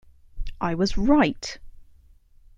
I was right!